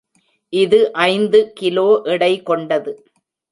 இது ஐந்து கிலோ எடை கொண்டது.